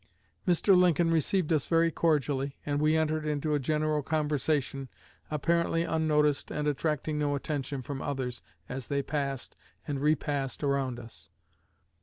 Mr. Lincoln received us very cordially, and we entered into a general conversation, apparently unnoticed, and attracting no attention from others as they passed and repassed around us.